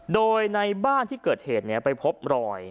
โดยในบ้านที่เกิดเหตุไปพบรอย